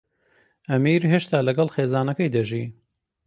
ئەمیر هێشتا لەگەڵ خێزانەکەی دەژی.